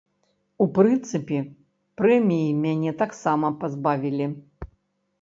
У прынцыпе, прэміі мяне таксама пазбавілі.